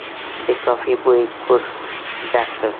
د کافي بوی کور ډک کړ.